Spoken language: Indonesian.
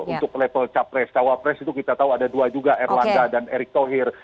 untuk level capres cawapres itu kita tahu ada dua juga erlangga dan erick thohir